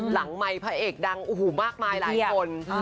หลังไมค์พระเอกดังมากมายหลายคน